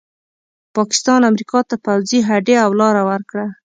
پاکستان امریکا ته پوځي هډې او لاره ورکړه.